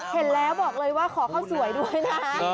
เห็นแล้วบอกเลยว่าขอข้าวสวยด้วยนะคะ